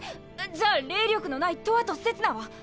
じゃあ霊力のないとわとせつなは！？